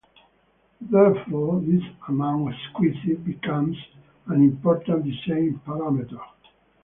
Therefore, this amount of squeeze becomes an important design parameter.